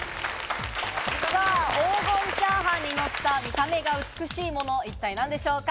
黄金炒飯にのった、見た目が美しいもの、一体何でしょうか？